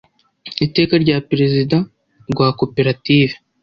iteka rya perezida rwa koperative